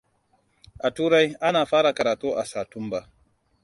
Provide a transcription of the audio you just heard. A Turai, ana fara karatu a Satumba.